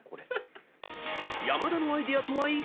［山田のアイデアとはいかに？］